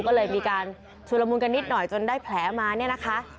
ก็เลยมีการชุดละมุนกันนิดหน่อยจนได้แผลมาเนี่ยนะคะ